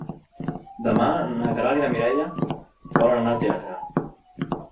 Demà na Queralt i na Mireia volen anar al teatre.